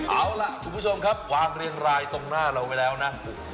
เอาล่ะคุณผู้ชมครับวางเรียงรายตรงหน้าเราไว้แล้วนะ